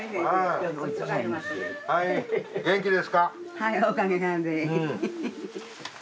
はいおかげさんで。